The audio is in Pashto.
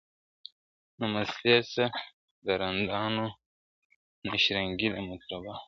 نه مستي سته د رندانو نه شرنګی د مطربانو ..